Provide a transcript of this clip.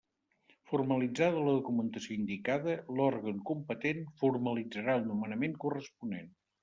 Formalitzada la documentació indicada, l'òrgan competent formalitzarà el nomenament corresponent.